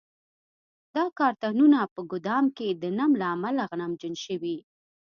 دا کارتنونه په ګدام کې د نم له امله نمجن شوي.